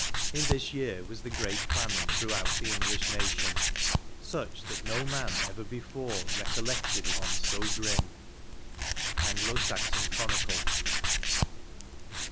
In this year was the great famine throughout the English nation ; such, that no man ever before recollected one so grim." — Anglo Saxon Chronicle.